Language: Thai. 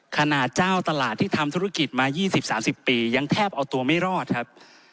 ขณะเจ้าตลาดที่ทำธุรกิจมา๒๐๓๐ปียังแทบเอาตัวไม่รอดครับ